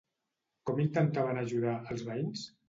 Com intentaven ajudar, els veïns?